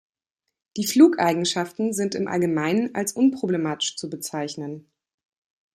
Die Flugeigenschaften sind im Allgemeinen als unproblematisch zu bezeichnen.